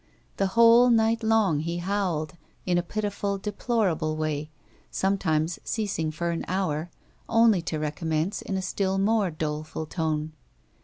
The whole night long he howled, in a pitiful, deplorable way, sometimes ceasing for an hour only to recommence in a still more doleful tone.